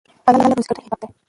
حلاله روزي ګټل عبادت دی.